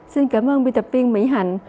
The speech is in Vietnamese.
xin cảm ơn biên tập viên mỹ hạnh